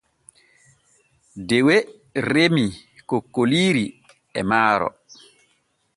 Dewe remii kokkoliiri e maaro.